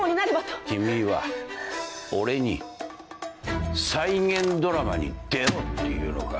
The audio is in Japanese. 君は俺に再現ドラマに出ろっていうのか？